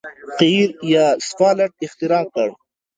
قیر یا سفالټ اختراع کړ.